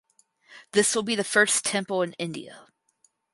This will be the first temple in India.